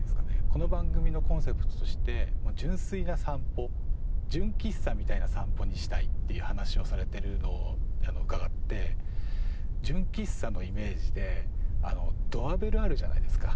この番組のコンセプトとして純粋な散歩純喫茶みたいな散歩にしたいっていう話をされているのを伺って純喫茶のイメージでドアベルあるじゃないですか。